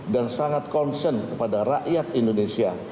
dan sangat concern kepada rakyat indonesia